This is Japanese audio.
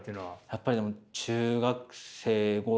やっぱりでも中学生頃。